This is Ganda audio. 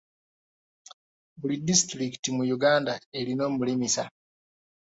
Buli disitulikiti mu Uganda erina omulimisa?